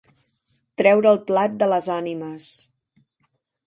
Treure el plat de les ànimes.